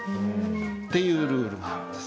っていうルールがあるんです。